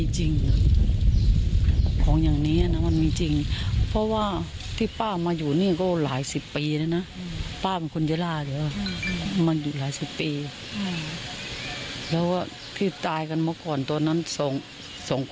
ช่องนี้อย่างโชคโครง